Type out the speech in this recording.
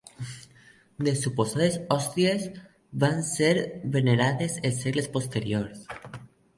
Les suposades hòsties van ser venerades en segles posteriors.